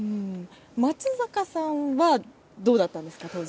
松坂さんはどうだったんですか、当時。